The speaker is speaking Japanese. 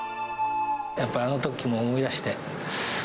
やっぱ、あのときを思い出して。